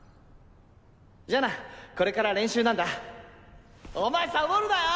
じゃあなこれから練習なんお前サボるなよ？